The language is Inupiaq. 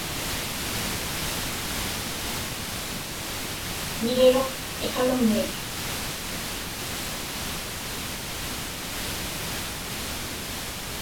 Niġiruq iqaluŋnik.